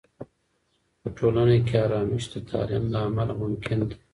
په ټولنه کې آرامش د تعلیم له امله ممکن دی.